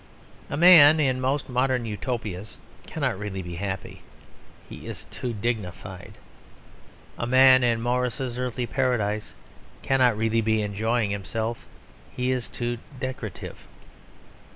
A man in most modern Utopias cannot really be happy; he is too dignified. A man in Morris's Earthly Paradise cannot really be enjoying himself; he is too decorative.